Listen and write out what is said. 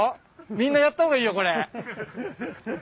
みんなやった方がいいよこれ。